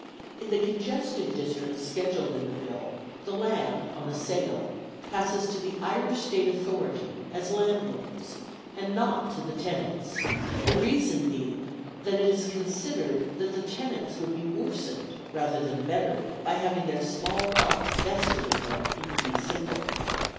In the congested districts scheduled in the Bill the land, on a sale, passes to the Irish State Authority, as landlords, and not to the tenants; the reason being that it is considered that the tenants would be worsened, rather than bettered, by having their small plots vested in them in fee simple.